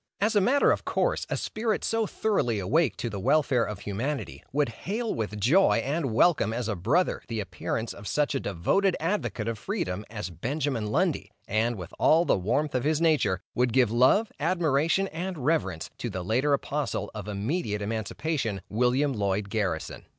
As a matter of course, a spirit so thoroughly awake to the welfare of humanity, would hail with joy and welcome as a brother, the appearance of such a devoted advocate of freedom, as Benjamin Lundy; and, with all the warmth of his nature, would give love, admiration, and reverence to the later apostle of immediate emancipation, William Lloyd Garrison.